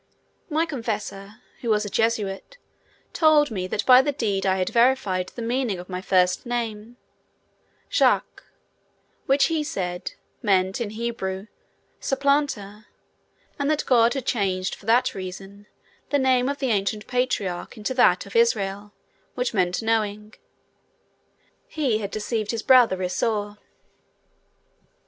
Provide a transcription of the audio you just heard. My confessor, who was a Jesuit, told me that by that deed I had verified the meaning of my first name, Jacques, which, he said, meant, in Hebrew, "supplanter," and that God had changed for that reason the name of the ancient patriarch into that of Israel, which meant "knowing." He had deceived his brother Esau.